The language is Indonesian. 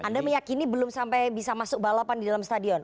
anda meyakini belum sampai bisa masuk balapan di dalam stadion